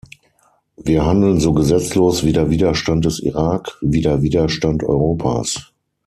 Wir handeln so gesetzlos wie der Widerstand des Irak, wie der Widerstand Europas.